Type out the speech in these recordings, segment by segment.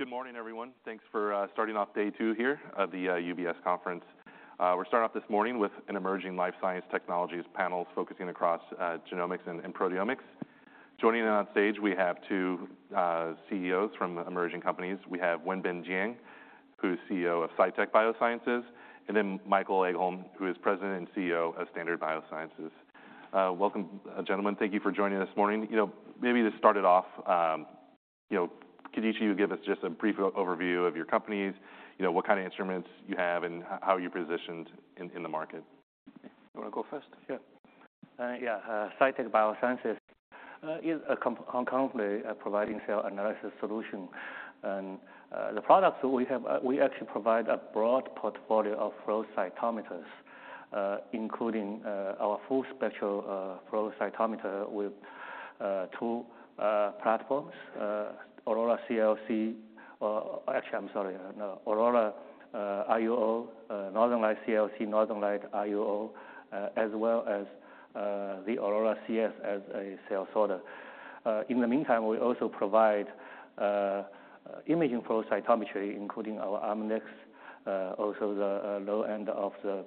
Well, good morning, everyone. Thanks for starting off day two here of the UBS conference. We're starting off this morning with an emerging life science technologies panel, focusing across genomics and proteomics. Joining in on stage, we have two CEOs from emerging companies. We have Wenbin Jiang, who's CEO of Cytek Biosciences, and then Michael Egholm, who is President and CEO of Standard BioTools. Welcome, gentlemen, thank you for joining this morning. You know, maybe to start it off, you know, could each of you give us just a brief overview of your companies, you know, what kind of instruments you have, and how you're positioned in the market? You wanna go first? Sure. Cytek Biosciences is currently providing cell analysis solution. The products we have, we actually provide a broad portfolio of flow cytometers, including our full spectral flow cytometer with two platforms, Cytek NL-CLC, actually, I'm sorry, no, Aurora, IOO, Northern Light CLC, Northern Light IOO, as well as the Aurora CS as a cell sorter. In the meantime, we also provide imaging flow cytometry, including our Amnis, also the low end of the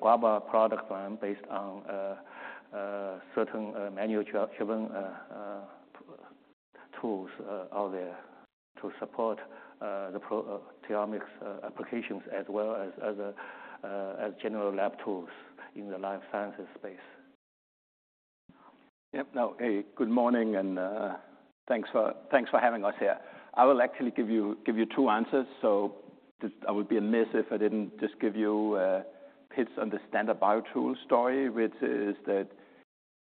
Guava product line, based on certain manual truck- driven tools out there to support proteomics applications, as well as general lab tools in the life sciences space. Yep. Now, hey, good morning, and thanks for, thanks for having us here. I will actually give you give you two answers, so just I would be remiss if I didn't just give you pits on the Standard BioTools story, which is that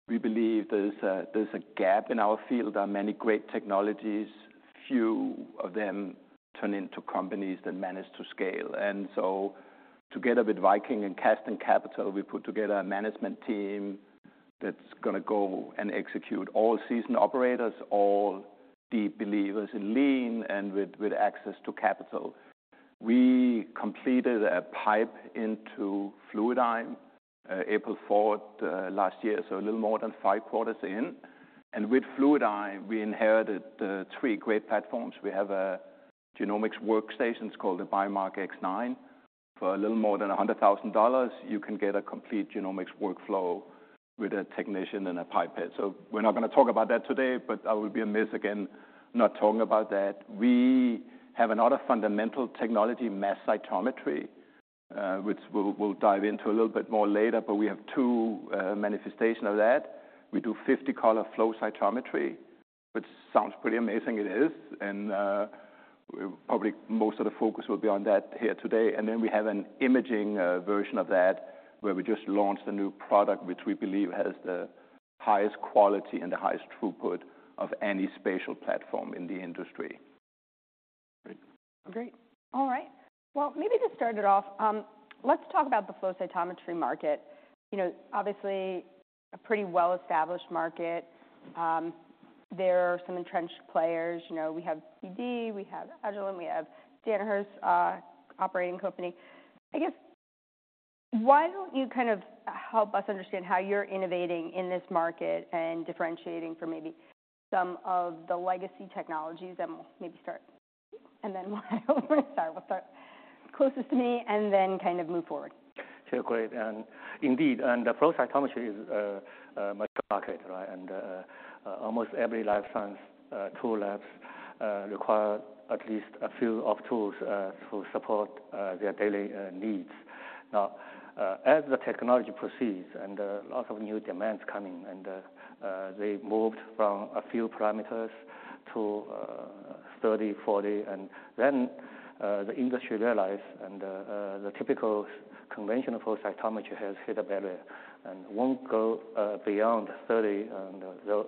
we believe there's a there's a gap in our field. There are many great technologies, few of them turn into companies that manage to scale. So together with Viking and Casdin Capital, we put together a management team that's gonna go and execute all seasoned operators, all deep believers in Lean, and with, with access to capital. We completed a PIPE into Fluidigm, April 4th, last year, so a little more than five quarters in. With Fluidigm, we inherited three great platforms. We have a genomics workstations called the Biomark X9. For a little more than $100,000, you can get a complete genomics workflow with a technician and a pipette. We're not gonna talk about that today, but I would be remiss, again, not talking about that. We have another fundamental technology, mass cytometry, which we'll, we'll dive into a little bit more later, but we have two manifestation of that. We do 50-color flow cytometry, which sounds pretty amazing, it is, and probably most of the focus will be on that here today. Then we have an imaging version of that, where we just launched a new product, which we believe has the highest quality and the highest throughput of any spatial platform in the industry. Great. Great. All right, well, maybe to start it off, let's talk about the flow cytometry market. You know, obviously, a pretty well-established market. There are some entrenched players. You know, we have BD, we have Agilent, we have Danaher's operating company. I guess, why don't you kind of help us understand how you're innovating in this market and differentiating for maybe some of the legacy technologies? We'll maybe start with you, and then we'll start closest to me and then kind of move forward. Sure, great. Indeed, the flow cytometry is a market, right? Almost every life science tool labs require at least a few of tools to support their daily needs. Now, as the technology proceeds and lots of new demands coming, they moved from a few parameters to 30, 40, and then the industry realized the typical conventional flow cytometry has hit a barrier, won't go beyond 30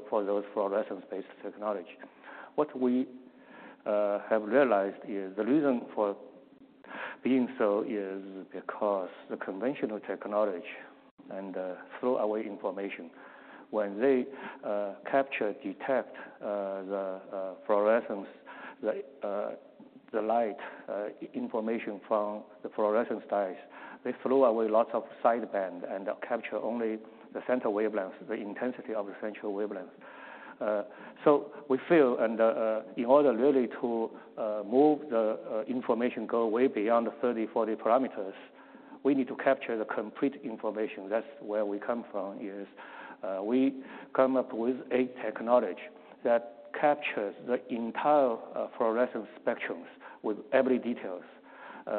for those fluorescence-based technology. What we have realized is the reason for being so is because the conventional technology and throw away information. When they capture, detect, the fluorescence, the the light information from the fluorescence dyes, they throw away lots of sideband and capture only the center wavelength, the intensity of the central wavelength. We feel and in order really to move the information go way beyond the 30, 40 parameters, we need to capture the complete information. That's where we come from, is we come up with a technology that captures the entire fluorescence spectrums with every details.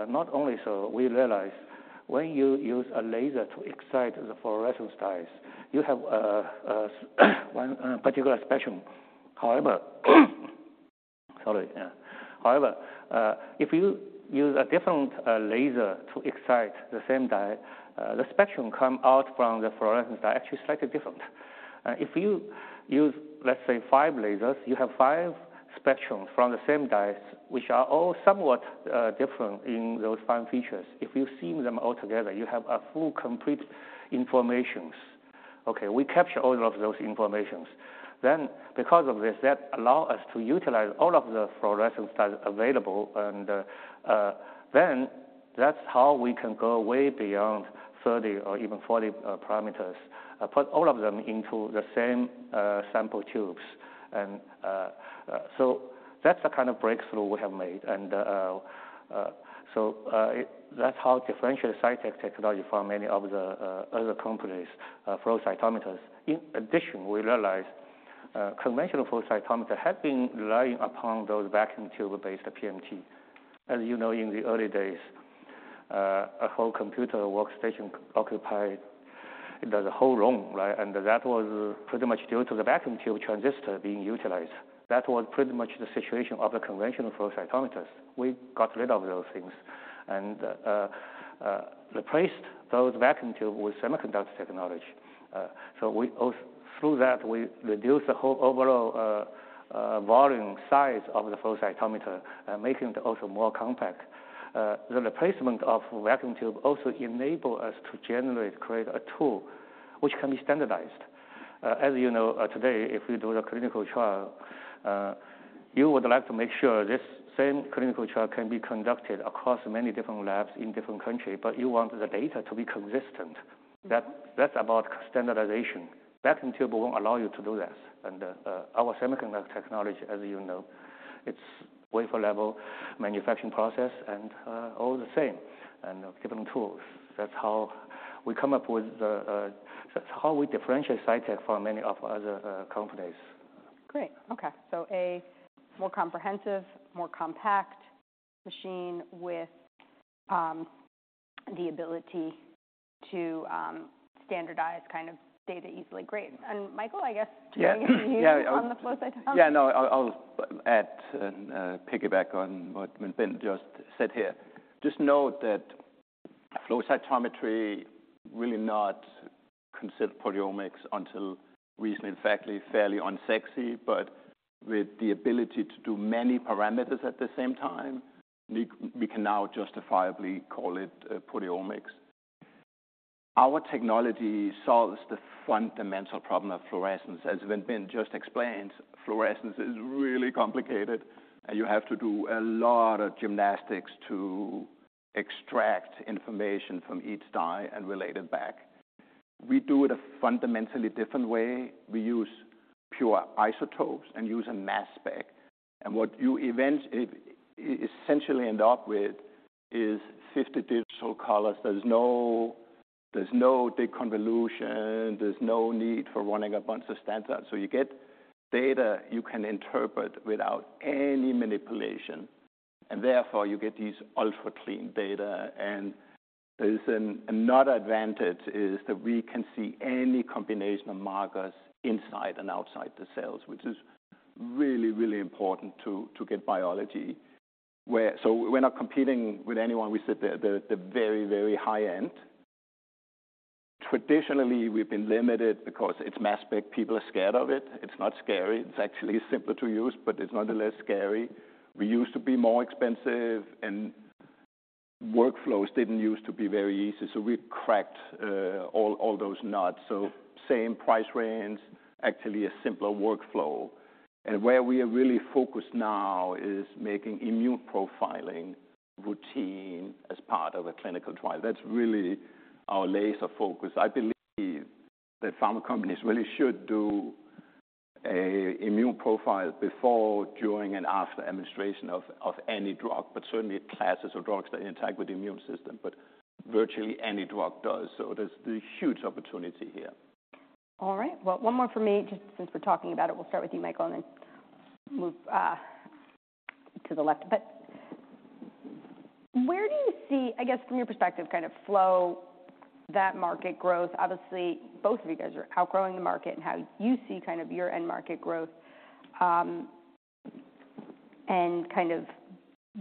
Not only so, we realize when you use a laser to excite the fluorescence dyes, you have one particular spectrum. However, sorry. Yeah. However, if you use a different laser to excite the same dye, the spectrum come out from the fluorescence dye actually slightly different. If you use, let's say, five lasers, you have five spectrums from the same dyes, which are all somewhat different in those fine features. If you seen them all together, you have a full, complete informations. Okay, we capture all of those informations. Because of this, that allow us to utilize all of the fluorescence dyes available, That's how we can go way beyond 30 or even 40 parameters, put all of them into the same sample tubes. That's the kind of breakthrough we have made, so it, that's how differentiate Cytek technology from many of the other companies' flow cytometers. In addition, we realized, conventional flow cytometer had been relying upon those vacuum tube-based PMT. As you know, in the early days, a whole computer workstation occupied the whole room, right? That was pretty much due to the vacuum tube transistor being utilized. That was pretty much the situation of the conventional flow cytometers. We got rid of those things and replaced those vacuum tube with semiconductor technology. Through that, we reduced the whole overall volume, size of the flow cytometer, making it also more compact. The replacement of vacuum tube also enable us to generate, create a tool which can be standardized. As you know, today, if you do a clinical trial, you would like to make sure this same clinical trial can be conducted across many different labs in different country, but you want the data to be consistent. That's about standardization. Vacuum tube won't allow you to do this, our semiconductor technology, as you know, it's wafer-level manufacturing process, all the same, and given tools. That's how we differentiate Cytek from many of other companies. Great, okay. A more comprehensive, more compact machine with the ability to standardize kind of data easily. Great. Michael, I guess. Yeah, turning to you on the flow cytometer. Yeah, no, I'll add, piggyback on what Wenbin just said here. Just note that flow cytometry really not considered proteomics until recently. In fact, fairly unsexy, but with the ability to do many parameters at the same time, we, we can now justifiably call it proteomics. Our technology solves the fundamental problem of fluorescence. As Wenbin just explained, fluorescence is really complicated, you have to do a lot of gymnastics to extract information from each dye and relate it back. We do it a fundamentally different way. We use pure isotopes and use a mass spec, what you essentially end up with is 50 digital colors. There's no, there's no deconvolution, there's no need for running a bunch of standards. You get data you can interpret without any manipulation, therefore, you get these ultra-clean data. There's another advantage is that we can see any combination of markers inside and outside the cells, which is really, really important to get biology. We're not competing with anyone. We sit at the, the very, very high end. Traditionally, we've been limited because it's mass spec, people are scared of it. It's not scary. It's actually simpler to use, but it's nonetheless scary. We used to be more expensive, and workflows didn't use to be very easy, so we cracked all those nuts. Same price range, actually a simpler workflow. Where we are really focused now is making immune profiling routine as part of a clinical trial. That's really our laser focus. I believe that pharma companies really should do a immune profile before, during, and after administration of, of any drug, but certainly classes of drugs that interact with the immune system, but virtually any drug does, so there's the huge opportunity here. All right. Well, one more from me, just since we're talking about it. We'll start with you, Michael, and then move to the left a bit. Where do you see, I guess, from your perspective, kind of flow that market growth? Obviously, both of you guys are outgrowing the market, and how you see kind of your end market growth, and kind of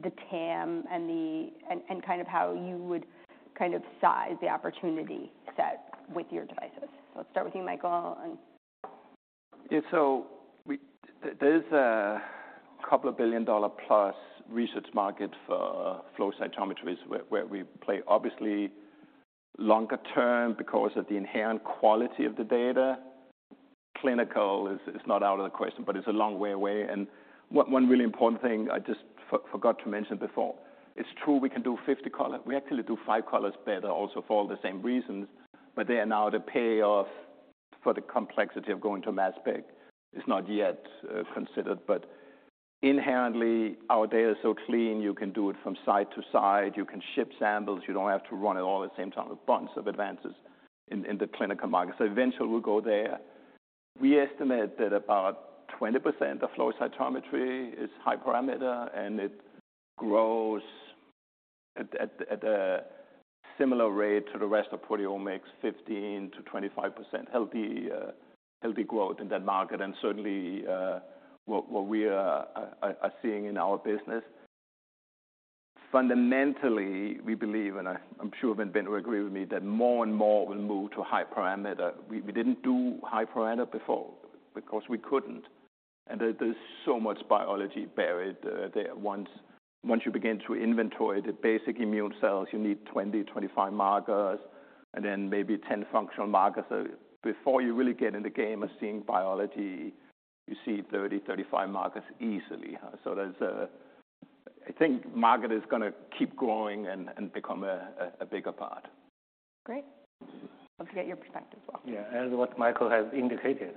the TAM and kind of how you would kind of size the opportunity set with your devices. Let's start with you, Michael, and- Yeah, so we, there's a couple of billion-dollar-plus research market for flow cytometries where, where we play, obviously, longer term because of the inherent quality of the data. Clinical is, is not out of the question, but it's a long way away. One, one really important thing I just forgot to mention before, it's true, we can do 50 color. We actually do five colors better also for all the same reasons, but there are now the payoff for the complexity of going to mass spec is not yet considered. Inherently, our data is so clean, you can do it from site to site, you can ship samples, you don't have to run it all at the same time, a bunch of advances in, in the clinical market, so eventually we'll go there. We estimate that about 20% of flow cytometry is high parameter, and it grows at a similar rate to the rest of proteomics, 15%-25%. Healthy, healthy growth in that market and certainly, what we are seeing in our business. Fundamentally, we believe, and I'm sure Wenbin will agree with me, that more and more will move to high parameter. We didn't do high parameter before because we couldn't, and there's so much biology buried there. Once you begin to inventory the basic immune cells, you need 20-25 markers and then maybe 10 functional markers. Before you really get in the game of seeing biology, you see 30-35 markets easily. There's I think market is gonna keep growing and become a bigger part. Great. Love to get your perspective as well. Yeah, as what Michael has indicated,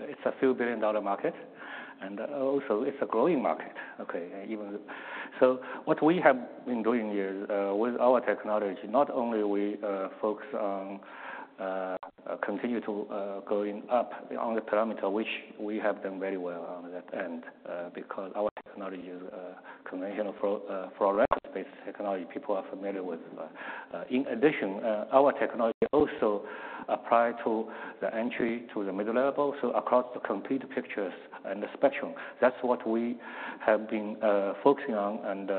it's a few billion dollar market, and also it's a growing market, okay? Even so, what we have been doing here, with our technology, not only we, focus on, continue to, going up on the parameter, which we have done very well on that end, because our technology is a conventional flow, flow record-based technology people are familiar with. In addition, our technology also apply to the entry to the mid-level, so across the complete pictures and the spectrum. That's what we have been, focusing on, and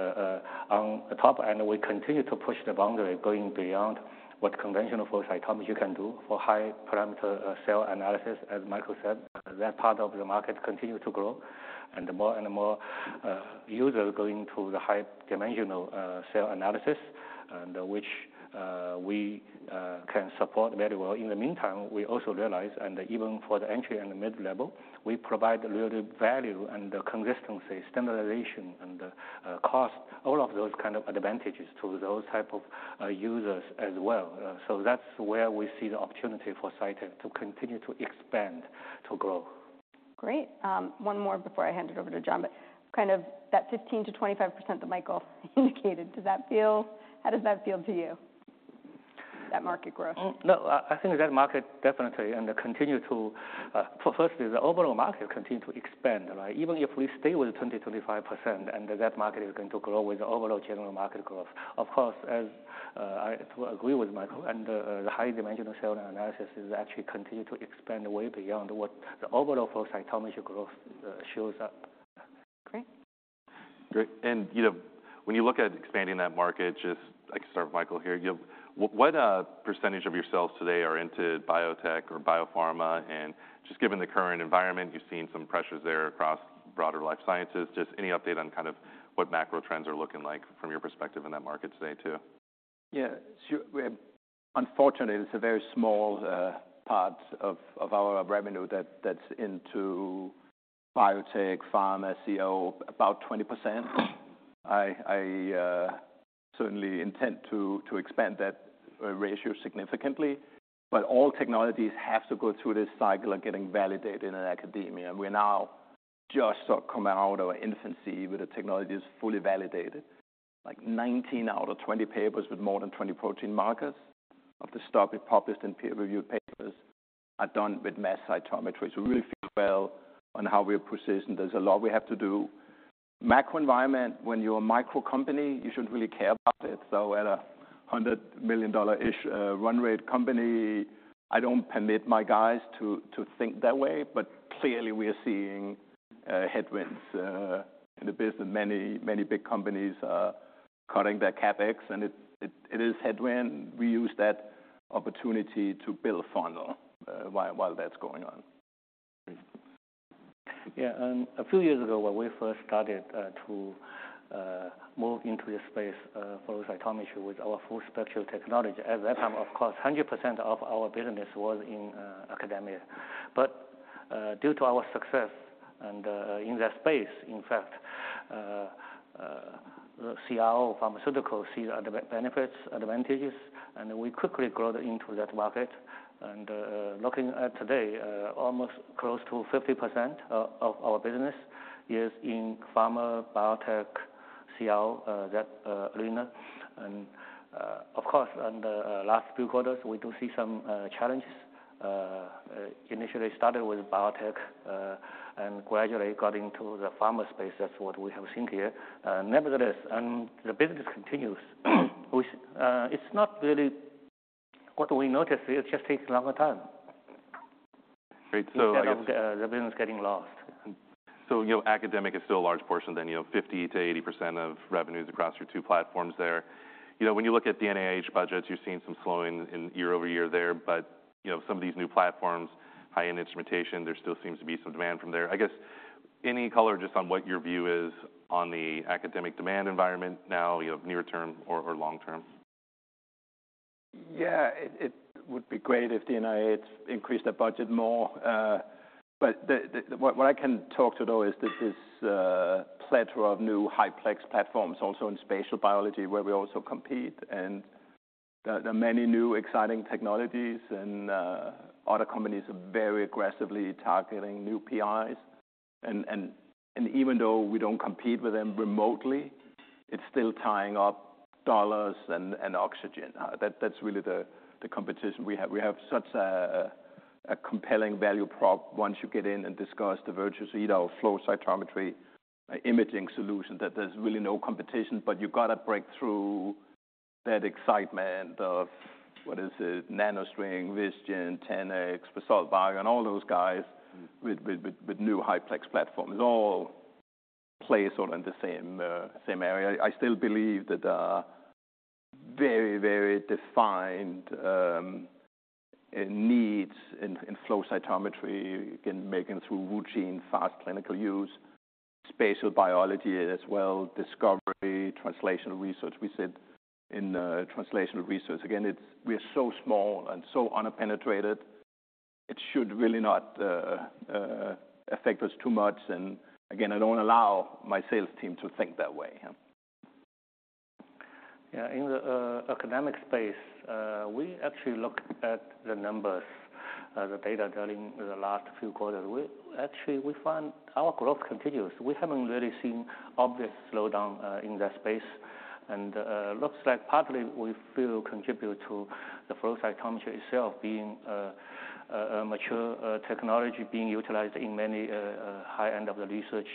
on the top end, we continue to push the boundary, going beyond what conventional flow cytometry can do for high-parameter, cell analysis. As Michael said, that part of the market continue to grow, and more and more, users are going to the high-dimensional, cell analysis, and which, we, can support very well. In the meantime, we also realize, and even for the entry and the mid-level, we provide a little value and consistency, standardization, and, cost, all of those kind of advantages to those type of, users as well. That's where we see the opportunity for Cytek to continue to expand, to grow. Great. One more before I hand it over to John. Kind of that 15%-25% that Michael indicated, does that feel. How does that feel to you, that market growth? No, I think that market definitely, and continue to, firstly, the overall market continue to expand, right? Even if we stay with 20-25%, and that market is going to grow with the overall general market growth. Of course, as I agree with Michael, the high dimensional cell analysis is actually continue to expand way beyond what the overall flow cytometry growth shows up. Great. Great. you know, when you look at expanding that market, just I can start with Michael here, you know, what, what % of your sales today are into biotech or biopharma? Just given the current environment, you've seen some pressures there across broader life sciences, just any update on kind of what macro trends are looking like from your perspective in that market today, too? Yeah. We have... Unfortunately, it's a very small part of our revenue that's into biotech, pharma, CRO, about 20%. I, I certainly intend to expand that ratio significantly. All technologies have to go through this cycle of getting validated in academia. We're now just sort of coming out of our infancy, where the technology is fully validated. Like, 19 out of 20 papers with more than 20 protein markers of the stuff we published in peer-reviewed papers are done with mass cytometry, we really feel well on how we are positioned. There's a lot we have to do. Macro environment, when you're a micro company, you shouldn't really care about it. At a $100 million-ish run rate company, I don't permit my guys to think that way, but clearly, we are seeing headwinds in the business. Many, many big companies are cutting their CapEx, and it is headwind. We use that opportunity to build funnel while that's going on. Great. Yeah, a few years ago, when we first started to move into this space, flow cytometry, with our full spectral technology, at that time, of course, 100% of our business was in academia. Due to our success and in that space, in fact, the CRO pharmaceuticals see the benefits, advantages, and we quickly grow into that market. Looking at today, almost close to 50% of our business is in pharma, biotech, CRO, that arena. Of course, on the last few quarters, we do see some challenges. Initially started with biotech and gradually got into the pharma space. That's what we have seen here. Nevertheless, the business continues. It's not really what we notice, it just takes a longer time- Great. Instead of, the business getting lost. You know, academic is still a large portion then, you know, 50%-80% of revenues across your two platforms there. You know, when you look at the NIH budgets, you're seeing some slowing in year-over-year there, you know, some of these new platforms, high-end instrumentation, there still seems to be some demand from there. I guess, any color just on what your view is on the academic demand environment now, you know, near term or, or long term? Yeah. It, would be great if the NIH increased their budget more. What I can talk to, though, is this plethora of new high-plex platforms also in spatial biology, where we also compete, and there are many new exciting technologies, and other companies are very aggressively targeting new PIs. Even though we don't compete with them remotely, it's still tying up dollars and oxygen. That's really the competition we have. We have such a compelling value prop once you get in and discuss the virtues of either our flow cytometry imaging solution, that there's really no competition. You've gotta break through that excitement of, what is it? NanoString, Vizgen, 10x, Parse Biosciences, and all those guys- Mm-hmm. With new high-plex platforms. It all plays sort of in the same area. I still believe that there are very, very defined, needs in, in flow cytometry. You can make it through routine, fast clinical use. Spatial biology as well, discovery, translational research. We said in, translational research, again, it's we are so small and so under-penetrated, it should really not, affect us too much. Again, I don't allow my sales team to think that way, huh. Yeah, in the academic space, we actually look at the numbers, the data during the last few quarters. We actually, we find our growth continues. We haven't really seen obvious slowdown in that space. Looks like partly we feel contribute to the flow cytometry itself being a mature technology being utilized in many high end of the research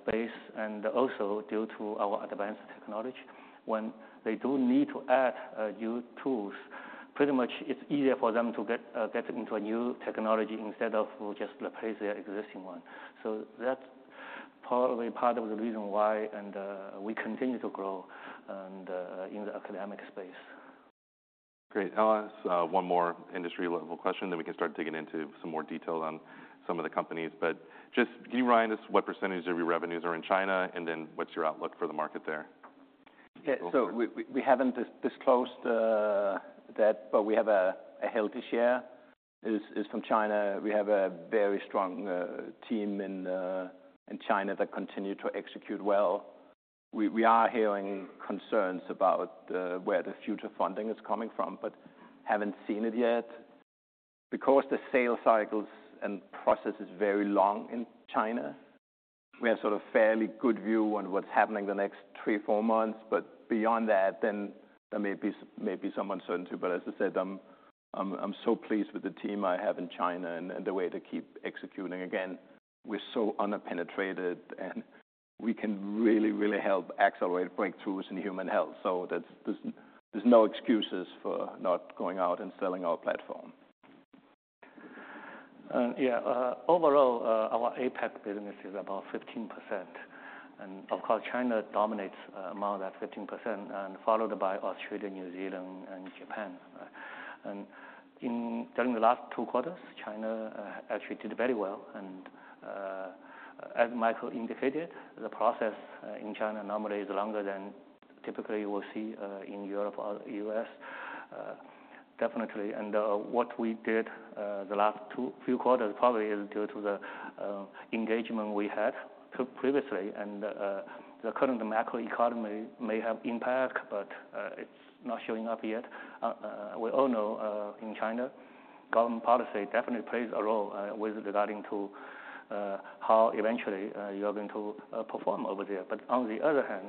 space, and also due to our advanced technology. When they do need to add new tools, pretty much it's easier for them to get into a new technology instead of just replace their existing one. That's probably part of the reason why, and, we continue to grow and, in the academic space. Great. I'll ask one more industry-level question, then we can start digging into some more detail on some of the companies. Just can you remind us what % of your revenues are in China? Then, what's your outlook for the market there? Yeah. We haven't disclosed that, but we have a healthy share is from China. We have a very strong team in China that continue to execute well. We, we are hearing concerns about where the future funding is coming from, but haven't seen it yet. Because the sales cycles and process is very long in China, we have sort of fairly good view on what's happening the next three, four months. Beyond that, then there may be some uncertainty. As I said, I'm, I'm, I'm so pleased with the team I have in China and the way they keep executing. Again, we're so under-penetrated, and we can really, really help accelerate breakthroughs in human health. There's, there's no excuses for not going out and selling our platform. Yeah, overall, our APAC business is about 15%. Of course, China dominates, more than 15%, followed by Australia, New Zealand, and Japan. In during the last 2 quarters, China actually did very well. As Michael indicated, the process in China normally is longer than typically you will see in Europe or US, definitely. What we did the last two few quarters probably is due to the engagement we had to previously. The current macro economy may have impact, but it's not showing up yet. We all know in China, government policy definitely plays a role with regarding to how eventually you are going to perform over there. On the other hand,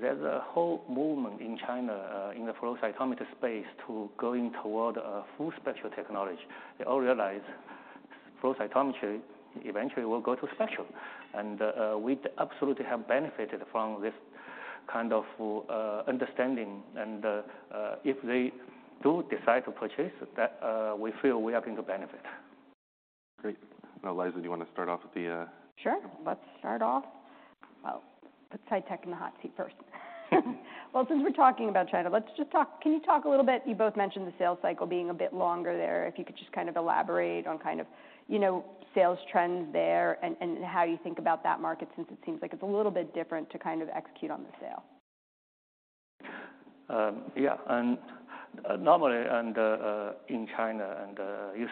there's a whole movement in China, in the flow cytometry space to going toward a full spectral technology. They all realize flow cytometry eventually will go to spectral, and we absolutely have benefited from this kind of understanding. If they do decide to purchase, that, we feel we are going to benefit. Great. Now, Liza, do you wanna start off with the? Sure. Let's start off. Well, let's try taking the hot seat first. Since we're talking about China, can you talk a little bit, you both mentioned the sales cycle being a bit longer there? If you could just kind of elaborate on kind of, you know, sales trends there and, and how you think about that market, since it seems like it's a little bit different to kind of execute on the sale. Yeah, normally, in China, if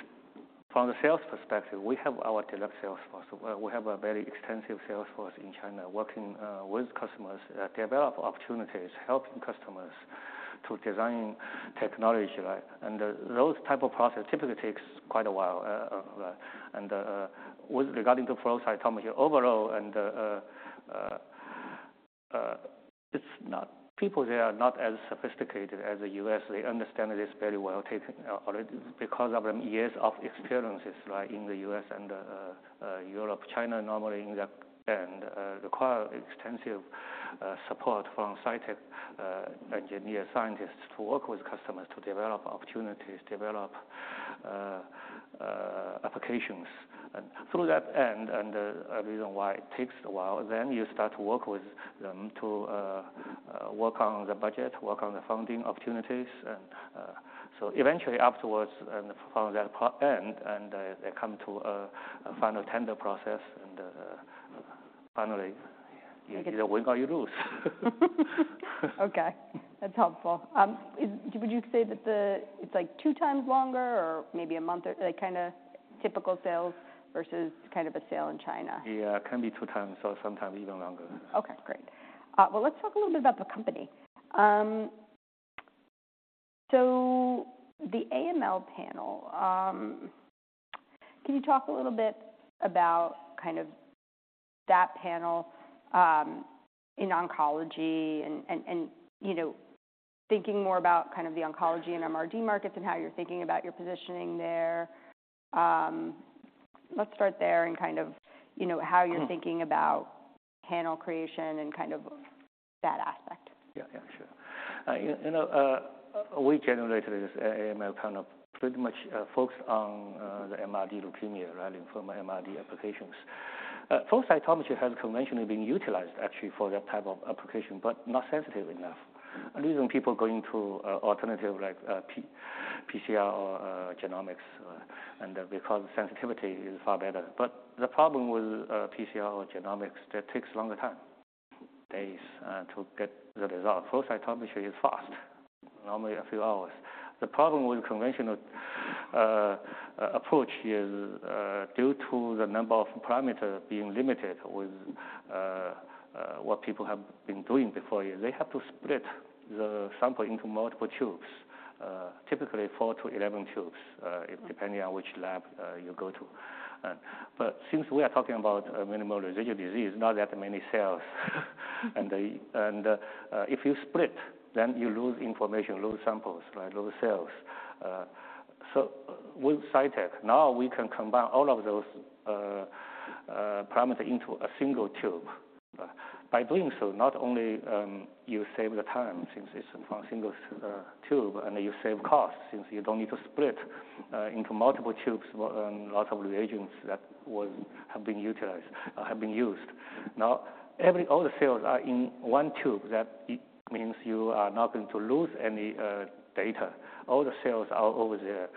from the sales perspective, we have our direct sales force. We have a very extensive sales force in China, working with customers, develop opportunities, helping customers to design technology, right? Those type of process typically takes quite a while. With regarding to flow cytometry overall, people there are not as sophisticated as the U.S. They understand this very well, taken already, because of them years of experiences, right, in the U.S. and Europe. China, normally in the end, require extensive support from Cytek engineer scientists to work with customers to develop opportunities, develop applications. Through that end, and the reason why it takes a while, then you start to work with them to work on the budget, work on the funding opportunities. Eventually afterwards, and from that part end, they come to a final tender process, and finally. Take it- You win or you lose. Okay, that's helpful. Would you say that it's like two times longer or maybe a month, or like kind of typical sales versus kind of a sale in China? Yeah, can be two times or sometimes even longer. Okay, great. Well, let's talk a little bit about the company. So the AML panel, can you talk a little bit about kind of that panel in oncology and, you know, thinking more about kind of the oncology and MRD markets and how you're thinking about your positioning there? Let's start there and kind of, you know. Mm. You're thinking about panel creation and kind of that aspect. Yeah, sure. We generated this AML panel pretty much focused on the MRD leukemia, right, from MRD applications. Flow cytometry has conventionally been utilized actually for that type of application. Not sensitive enough. Even people going to alternative PCR or genomics because sensitivity is far better. The problem with PCR or genomics, that takes a longer time, days, to get the result. Flow cytometry is fast, normally a few hours. The problem with conventional approach is due to the number of parameters being limited with what people have been doing before you, they have to split the sample into multiple tubes, typically four to 11 tubes, depending on which lab you go to. But since we are talking about a minimal residual disease, not that many cells, and they-- and, if you split, then you lose information, lose samples, right, lose cells. With Cytek, now we can combine all of those parameters into a single tube. By doing so, not only, you save the time since it's from a single tube, and you save costs, since you don't need to split into multiple tubes, and lots of reagents that was- have been utilized, have been used. Now, every all the cells are in one tube, that it means you are not going to lose any data. All the cells are over there.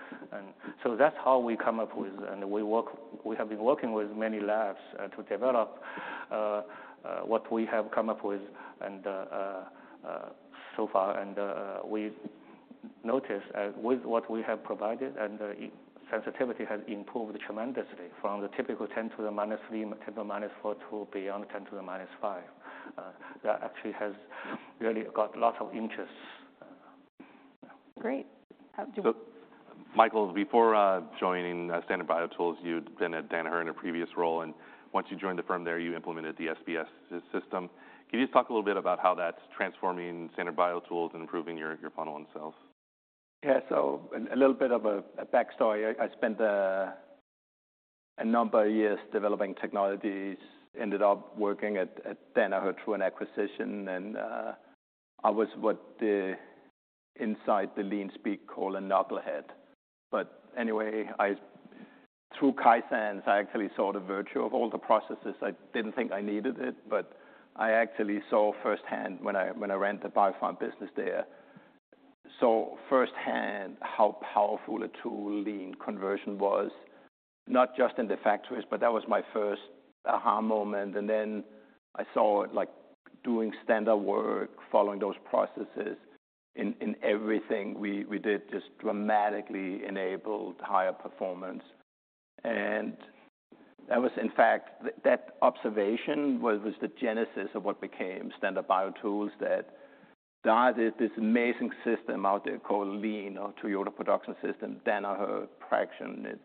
That's how we come up with, we have been working with many labs to develop what we have come up with. So far, we've noticed as with what we have provided, the sensitivity has improved tremendously from the typical 10 to the minus three, 10 to the minus four, to beyond 10 to the minus five. That actually has really got lots of interest. Great. How do you- Michael, before joining Standard BioTools, you'd been at Danaher in a previous role, and once you joined the firm there, you implemented the SBS system. Can you just talk a little bit about how that's transforming Standard BioTools and improving your, your funnel and sales? Yeah. A little bit of a backstory. I spent a number of years developing technologies, ended up working at Danaher through an acquisition, and I was what the inside the Lean speak call a knucklehead. Anyway, through Kaizen, I actually saw the virtue of all the processes. I didn't think I needed it, but I actually saw firsthand when I ran the biopharm business there, saw firsthand how powerful a tool Lean conversion was, not just in the factories, but that was my first aha moment. Then I saw, like, doing Standard Work, following those processes in everything we did, just dramatically enabled higher performance. That was, in fact, that observation was the genesis of what became Standard BioTools, that God, there's this amazing system out there called Lean or Toyota Production System. Danaher fraction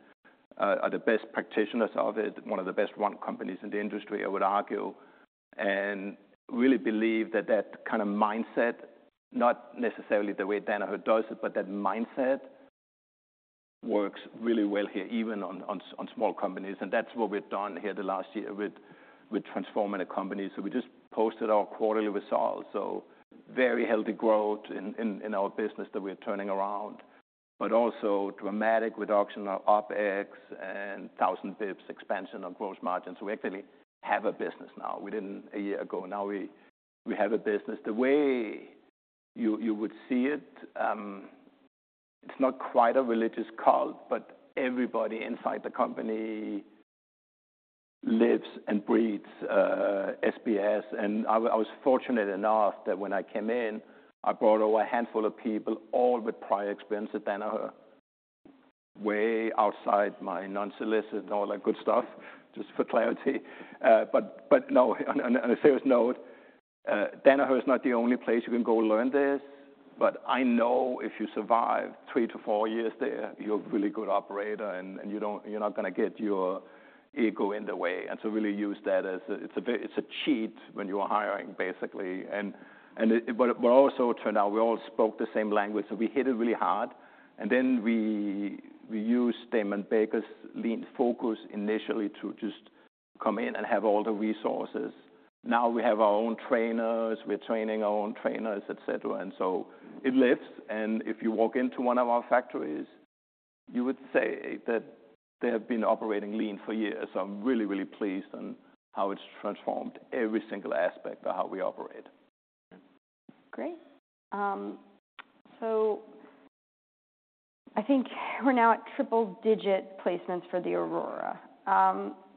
are the best practitioners of it, one of the best-run companies in the industry, I would argue. Really believe that that kind of mindset, not necessarily the way Danaher does it, but that mindset works really well here, even on small companies, and that's what we've done here the last year with transforming the company. We just posted our quarterly results, very healthy growth in our business that we're turning around, but also dramatic reduction of OpEx and 1,000 basis points expansion of gross margins. We actually have a business now. We didn't a year ago, now we have a business. The way you would see it, it's not quite a religious cult, but everybody inside the company lives and breathes SBS. I was fortunate enough that when I came in, I brought over a handful of people, all with prior experience at Danaher, way outside my unsolicited and all that good stuff, just for clarity. But no, on a serious note, Danaher is not the only place you can go learn this, but I know if you survive three to four years there, you're a really good operator, and you're not gonna get your ego in the way. Really use that as a.. It's a cheat when you are hiring, basically. It, but also it turned out we all spoke the same language, so we hit it really hard, and then we used them and Baker's Lean focus initially to just come in and have all the resources. Now we have our own trainers, we're training our own trainers, et cetera, and so it lives. If you walk into one of our factories, you would say that they have been operating lean for years. I'm really, really pleased on how it's transformed every single aspect of how we operate. Great. I think we're now at triple-digit placements for the Aurora.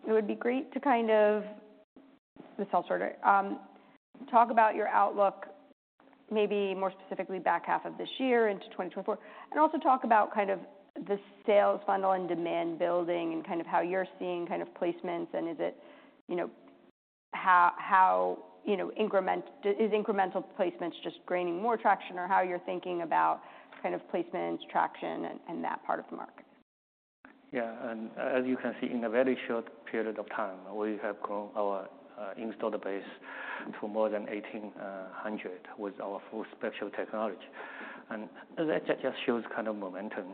It would be great to kind of, this all sort of, talk about your outlook, maybe more specifically back half of this year into 2024, and also talk about kind of the sales funnel and demand building, and kind of how you're seeing kind of placements, and is it, you know, how, how, you know, increment- Is incremental placements just gaining more traction, or how you're thinking about kind of placements, traction, and, and that part of the market? Yeah, as you can see, in a very short period of time, we have grown our install base to more than 1,800 with our full spectral technology. That just shows kind of momentum.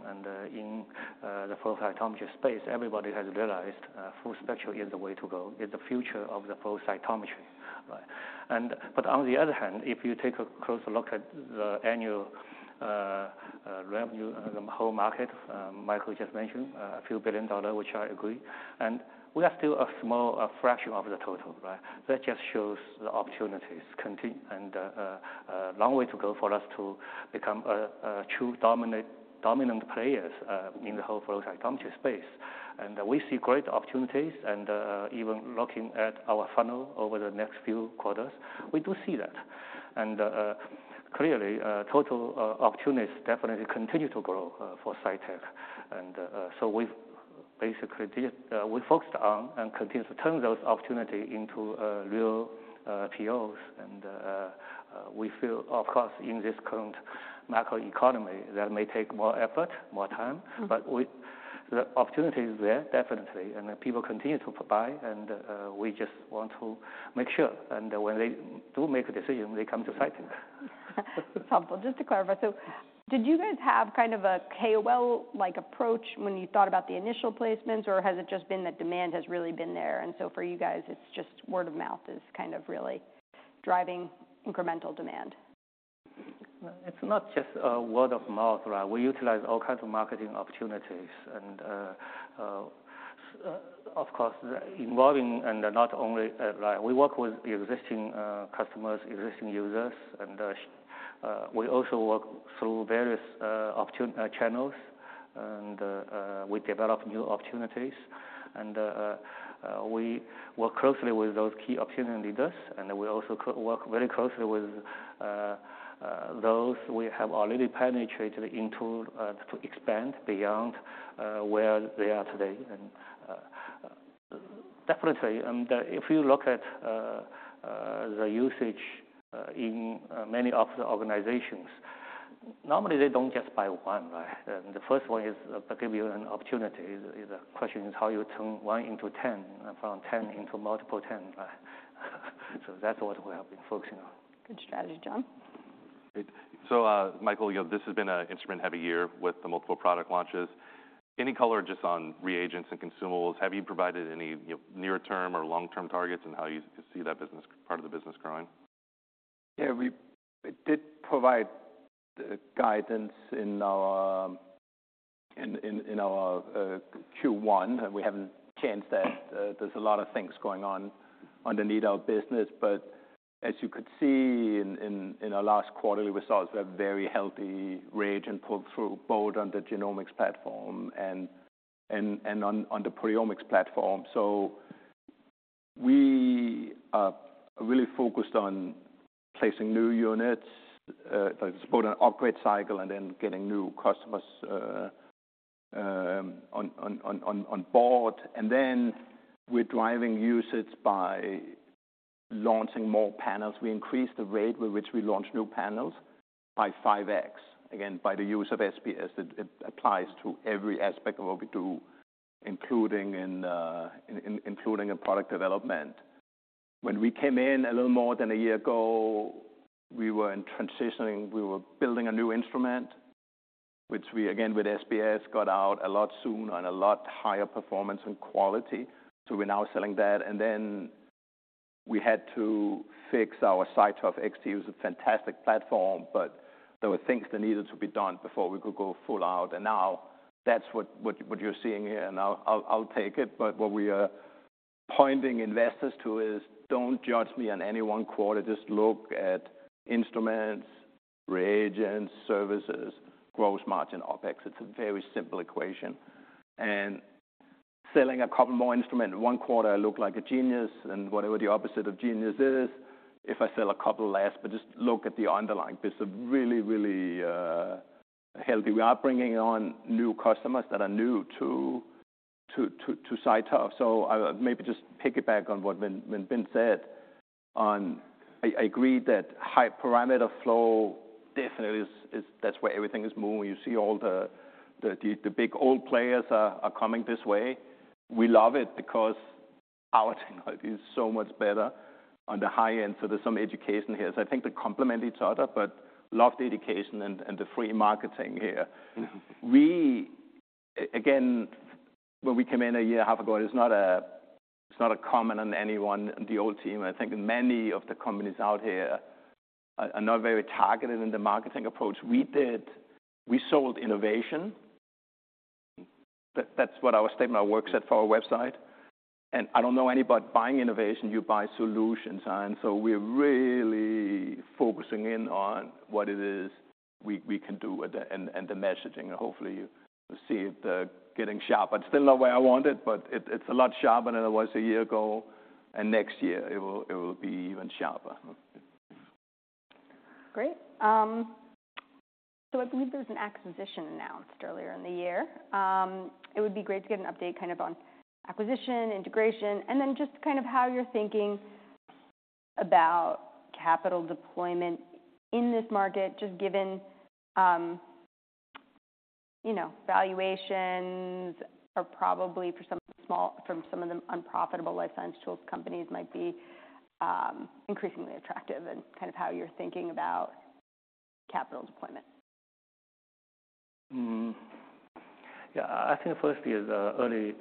In the flow cytometry space, everybody has realized full spectral is the way to go, is the future of the flow cytometry. Right. But on the other hand, if you take a closer look at the annual revenue, the whole market Michael just mentioned, a few billion dollars, which I agree, and we are still a small fraction of the total, right? That just shows the opportunities continue, a long way to go for us to become a true dominant players in the whole flow cytometry space. We see great opportunities, even looking at our funnel over the next few quarters, we do see that. Clearly, total opportunities definitely continue to grow for Cytek. We've basically focused on and continue to turn those opportunity into real POs. We feel, of course, in this current macroeconomy, that may take more effort, more time. Mm-hmm. We... the opportunity is there, definitely, and the people continue to buy, and we just want to make sure, and when they do make a decision, they come to Cytek. Just to clarify, did you guys have kind of a KOL-like approach when you thought about the initial placements, or has it just been that demand has really been there, and so for you guys, it's just word of mouth is kind of really driving incremental demand? It's not just word of mouth, right? We utilize all kinds of marketing opportunities. Of course, involving and not only like, we work with the existing customers, existing users, we also work through various channels, we develop new opportunities, we work closely with those key opinion leaders, and we also work very closely with those we have already penetrated into to expand beyond where they are today. Definitely, if you look at the usage in many of the organizations, normally, they don't just buy 1, right? The first one is give you an opportunity. Question is how you turn one into 10, and from 10 into multiple 10, right? That's what we have been focusing on. Good strategy. John? Michael, you know, this has been an instrument-heavy year with the multiple product launches. Any color just on reagents and consumables, have you provided any, you know, near-term or long-term targets and how you see that business, part of the business growing? Yeah, we did provide guidance in our Q1. We haven't changed that. There's a lot of things going on underneath our business. As you could see in our last quarterly results, we have very healthy rate and pull-through, both on the genomics platform and on the proteomics platform. We are really focused on placing new units to support an upgrade cycle and then getting new customers on board. Then we're driving usage by launching more panels. We increased the rate with which we launch new panels by 5x. Again, by the use of SBS, it applies to every aspect of what we do, including in product development. When we came in a little more than a year ago, we were in transitioning. We were building a new instrument, which we, again, with SBS, got out a lot sooner and a lot higher performance and quality. We're now selling that. Then we had to fix our CyTOF XT to use a fantastic platform. There were things that needed to be done before we could go full out. Now that's what, what, what you're seeing here, and I'll, I'll, I'll take it. What we are pointing investors to is: Don't judge me on any one quarter. Just look at instruments, reagents, services, gross margin, OpEx. It's a very simple equation. Selling a couple more instrument in one quarter, I look like a genius, and whatever the opposite of genius is, if I sell a couple less. Just look at the underlying. There's a really, really healthy... We are bringing on new customers that are new to CyTOF. Maybe just piggyback on what Minmin said on. I agree that high parameter flow definitely is, that's where everything is moving. You see all the big old players are coming this way. We love it because our technology is so much better on the high end, so there's some education here. I think they complement each other, but love the education and the free marketing here. Mm-hmm. We again, when we came in 1.5 years ago, it's not a, it's not a comment on anyone on the old team. I think many of the companies out here are not very targeted in the marketing approach. We sold innovation. That's what our statement our website said for our website, and I don't know anybody buying innovation, you buy solutions. So we're really focusing in on what it is we can do with the, and the messaging, and hopefully you see it getting sharper. It's still not where I want it, but it's a lot sharper than it was a year ago, and next year it will be even sharper. Great. I believe there was an acquisition announced earlier in the year. It would be great to get an update kind of on acquisition, integration, and then just kind of how you're thinking about capital deployment in this market, just given, you know, valuations are probably from some of the unprofitable life science tools, companies might be, increasingly attractive and kind of how you're thinking about capital deployment. Yeah, I think firstly, is early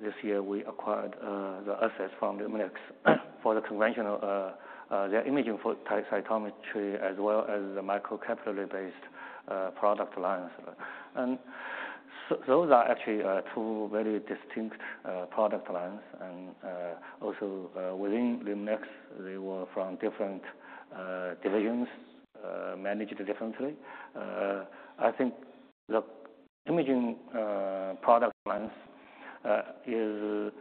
this year, we acquired the assets from Luminex for the conventional their imaging flow cytometry, as well as the microcapillary-based product lines. Those are actually two very distinct product lines. Within the mix, they were from different divisions, managed differently. I think the imaging product lines is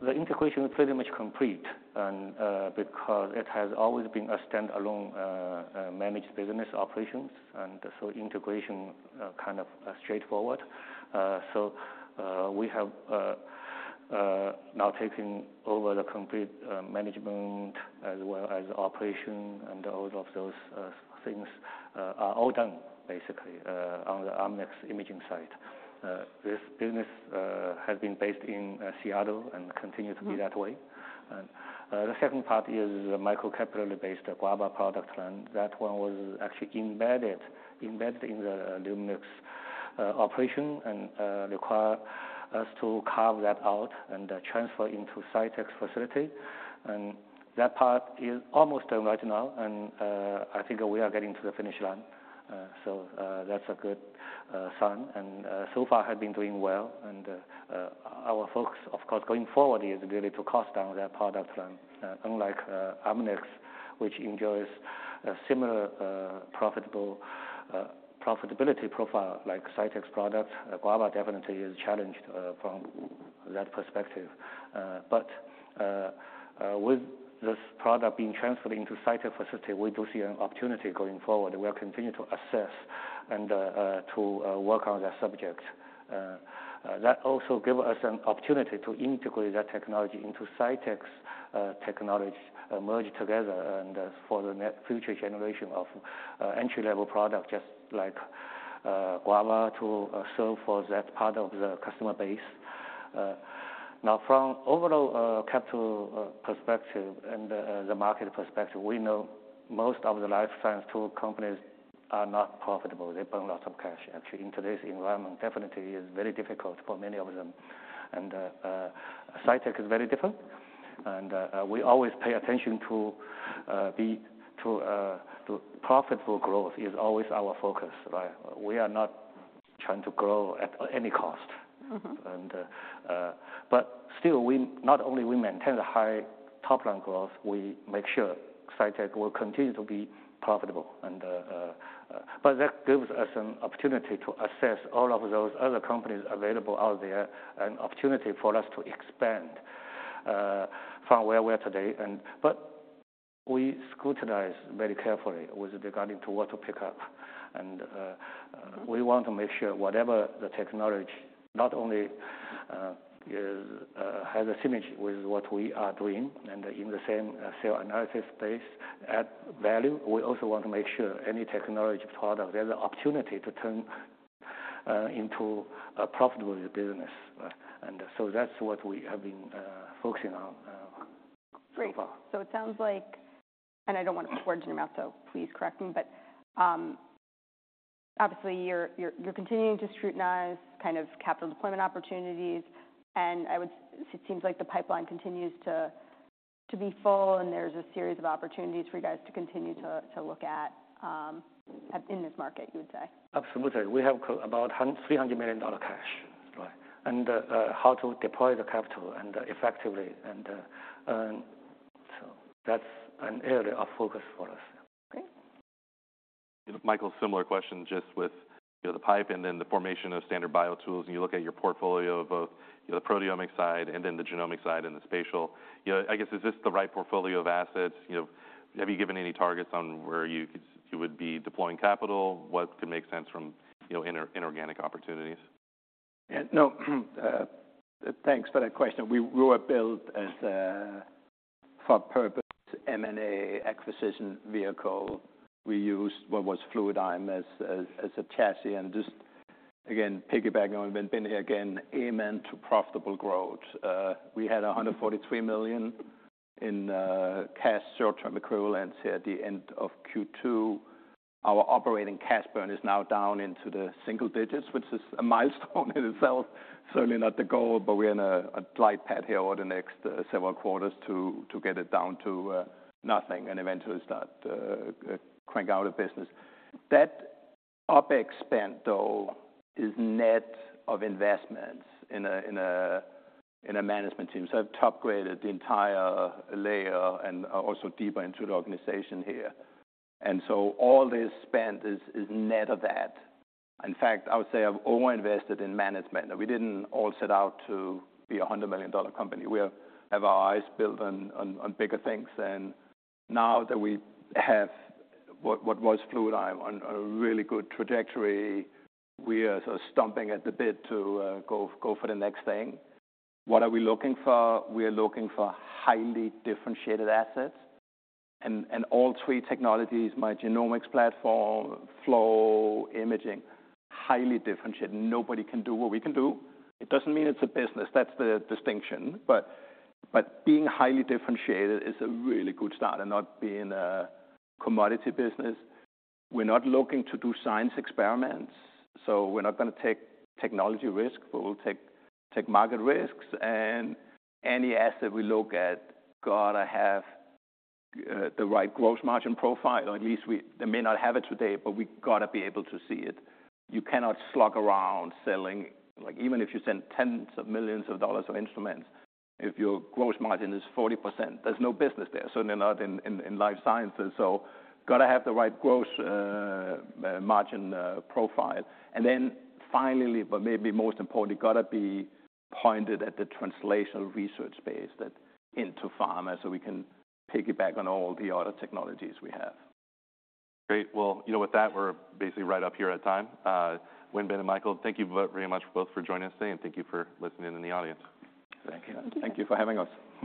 the integration is pretty much complete and because it has always been a standalone managed business operations, and so integration kind of straightforward. We have now taking over the complete management as well as operation, and all of those things are all done basically on the Amnis imaging side. This business has been based in Seattle and continues to be that way. The second part is the microcapillary-based Guava product line. That one was actually embedded, embedded in the Luminex operation, and require us to carve that out and transfer into Cytek's facility. That part is almost done right now, and I think we are getting to the finish line. That's a good sign, and so far have been doing well. Our focus, of course, going forward, is really to cost down that product line. Unlike Amnis, which enjoys a similar profitable profitability profile like Cytek's products, Guava definitely is challenged from that perspective. With this product being transferred into Cytek facility, we do see an opportunity going forward. We'll continue to assess and to work on that subject. That also give us an opportunity to integrate that technology into Cytek's technology, merge together and for the future generation of entry-level product, just like Guava, to serve for that part of the customer base. Now, from overall capital perspective and the market perspective, we know most of the life science tool companies are not profitable. They burn lots of cash. Actually, in today's environment, definitely is very difficult for many of them. Cytek is very different, and we always pay attention to profitable growth is always our focus, right? We are not trying to grow at any cost. Mm-hmm. But still we not only we maintain a high top-line growth, we make sure Cytek will continue to be profitable. But that gives us an opportunity to assess all of those other companies available out there, an opportunity for us to expand from where we are today. But we scrutinize very carefully with regarding to what to pick up. We want to make sure whatever the technology, not only is has a synergy with what we are doing and in the same cell analysis space, add value. We also want to make sure any technology product has an opportunity to turn into a profitable business. So that's what we have been focusing on so far. Great. It sounds like, and I don't want to put words in your mouth, so please correct me, but, obviously, you're, you're, you're continuing to scrutinize kind of capital deployment opportunities. I would... It seems like the pipeline continues to, to be full, and there's a series of opportunities for you guys to continue to, to look at, at in this market, you would say? Absolutely. We have $300 million cash, right? How to deploy the capital and effectively and earn. That's an area of focus for us. Okay. Michael, similar question, just with, you know, the PIPE and then the formation of Standard BioTools. You look at your portfolio of both the proteomic side and then the genomic side and the spatial. You know, I guess, is this the right portfolio of assets? You know, have you given any targets on where you would be deploying capital? What could make sense from, you know, inorganic opportunities? Yeah. No, thanks for that question. We were built as a for-purpose M&A acquisition vehicle. We used what was Fluidigm as a chassis. Just, again, piggybacking on Ben, Ben here again, amen to profitable growth. We had $143 million in cash, short-term equivalents at the end of Q2. Our operating cash burn is now down into the single digits, which is a milestone in itself. Certainly not the goal, but we're in a slight pad here over the next several quarters to get it down to nothing and eventually start crank out of business. That OpEx spend, though, is net of investments in a management team. I've top-graded the entire layer and also deeper into the organization here. All this spend is net of that. In fact, I would say I've over-invested in management. We didn't all set out to be a $100 million company. We have our eyes built on, on, on bigger things. Now that we have what, what was Fluidigm on a really good trajectory, we are sort of stomping at the bit to go, go for the next thing. What are we looking for? We are looking for highly differentiated assets. And all three technologies, my genomics platform, flow, imaging, highly differentiated. Nobody can do what we can do. It doesn't mean it's a business, that's the distinction, but, but being highly differentiated is a really good start and not being a commodity business. We're not looking to do science experiments, so we're not gonna take technology risk, but we'll take, take market risks. Any asset we look at, gotta have, the right gross margin profile, or at least they may not have it today, but we've got to be able to see it. You cannot slug around selling. Like, even if you send tens of millions of dollars of instruments, if your gross margin is 40%, there's no business there, certainly not in, in, in life sciences. Gotta have the right gross margin profile. Then finally, but maybe most importantly, gotta be pointed at the translational research space that into pharma, so we can piggyback on all the other technologies we have. Great. Well, you know, with that, we're basically right up here at time. Wenbin and Michael, thank you very much both for joining us today, and thank you for listening in the audience. Thank you. Thank you for having us.